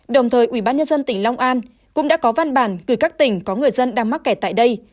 đồng thời ubnd tỉnh long an cũng đã có văn bản gửi các tỉnh có người dân đang mắc kẻ tại đây